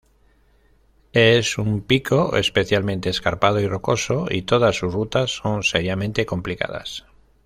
Es un pico especialmente escarpado y rocoso, y todas sus rutas son seriamente complicadas.